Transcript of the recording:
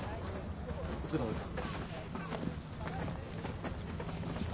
・お疲れさまです。